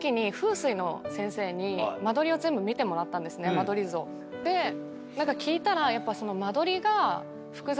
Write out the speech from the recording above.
間取り図をで聞いたら。